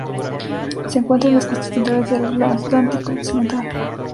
Se encuentra en las costas centrales de la Atlántico Occidental.